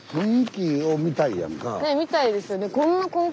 ねえ見たいですよね。